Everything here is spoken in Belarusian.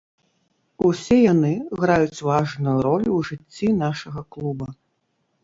Усе яны граюць важную ролю ў жыцці нашага клуба.